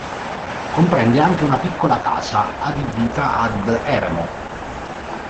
Comprende anche una piccola casa adibita ad eremo.